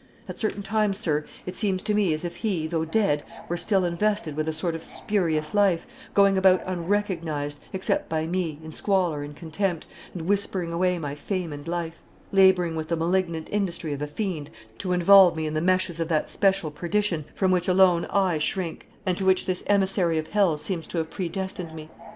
At certain times, sir, it seems to me as if he, though dead, were still invested with a sort of spurious life; going about unrecognized, except by me, in squalor and contempt, and whispering away my fame and life; laboring with the malignant industry of a fiend to involve me in the meshes of that special perdition from which alone I shrink, and to which this emissary of hell seems to have predestined me.